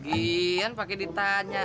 gini kan pake ditanya